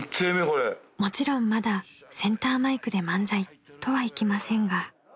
［もちろんまだ「センターマイクで漫才」とはいきませんが］